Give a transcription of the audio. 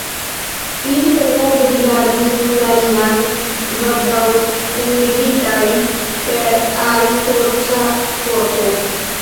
Ili senmove rigardis unu la alian, kvazaŭ kunligitaj per ia sorĉa forto.